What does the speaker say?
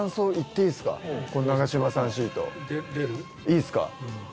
いいっすか？